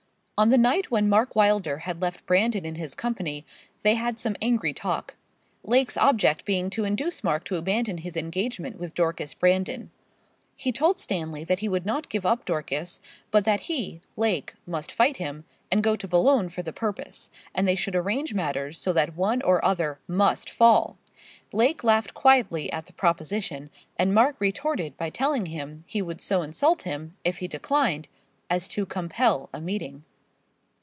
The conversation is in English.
On the night when Mark Wylder had left Brandon in his company they had some angry talk; Lake's object being to induce Mark to abandon his engagement with Dorcas Brandon. He told Stanley that he would not give up Dorcas, but that he, Lake, must fight him, and go to Boulogne for the purpose, and they should arrange matters so that one or other must fall. Lake laughed quietly at the proposition, and Mark retorted by telling him he would so insult him, if he declined, as to compel a meeting.